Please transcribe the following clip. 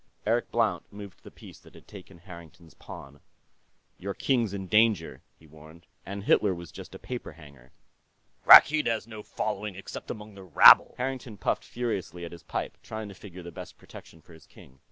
Eric Blount moved the piece that had taken Harrington's pawn. "Your king's in danger," he warned. "And Hitler was just a paper hanger." "Rakkeed has no following, except among the rabble." Harrington puffed furiously at his pipe, trying to figure the best protection for his king.